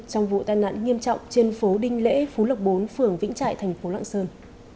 trong vụ tai nạn nghiêm trọng trên phố đinh lễ phú lộc bốn phường vĩnh trại thành phố lạng sơn